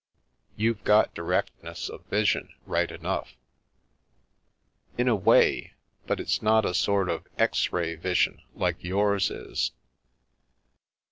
" You've got directness of vision, right enough." " In a way. But it's not a sort of X ray vision, like yours is."